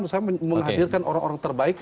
misalnya menghadirkan orang orang terbaik